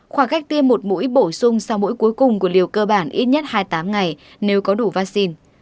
khoảng cách tiêm một mũi bổ sung sau mỗi cuối cùng của liều cơ bản ít nhất hai mươi tám ngày nếu có đủ vaccine